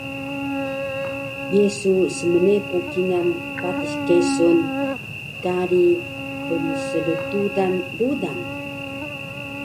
Ye su smnepu kingal patis kesun “Kari pnsltudan rudan”?